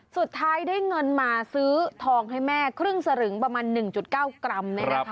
สุดท้ายได้เงินมาซื้อทองให้แม่ครึ่งสลึงประมาณ๑๙กรัม